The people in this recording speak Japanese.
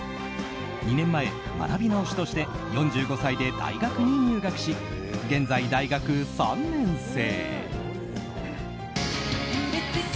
２年前、学び直しとして４５歳で大学に入学し現在、大学３年生。